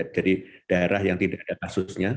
dari daerah yang tidak ada kasusnya